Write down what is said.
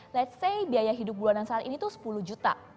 let's say biaya hidup bulanan saat ini tuh sepuluh juta